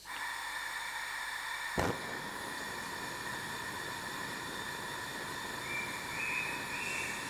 নির্যাতনের একপর্যায়ে চাপাতি দিয়ে কাদেরের পায়ে আঘাত করে গুরুতর জখম করেন তিনি।